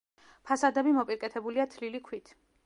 ფასადები მოპირკეთებულია თლილი ქვით.